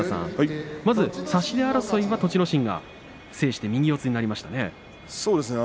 まず差し手争いは栃ノ心が制して右四つになりましたね。